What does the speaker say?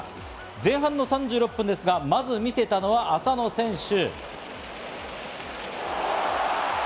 前半の３６分ですが、まず見せたのは浅野選手。